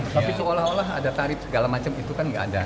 tapi seolah olah ada tarif segala macam itu kan nggak ada